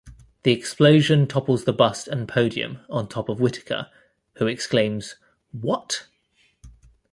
The explosion topples the bust and podium on top of Whitaker, who exclaims what?...